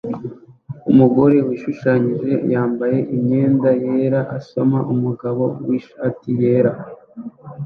Umugore wishushanyije yambaye imyenda yera asoma umugabo mwishati yera